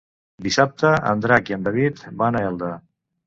Dissabte en Drac i en David van a Elda.